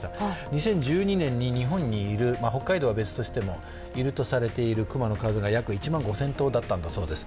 ２０１２年に日本にいる、北海道は別として、いるとされている熊の数が約１万５０００頭だったそうです。